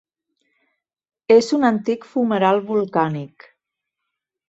És un antic fumeral volcànic.